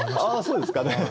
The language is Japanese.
そうですかね。